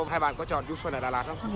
hai bạn có tròn du xuân ở đà lạt không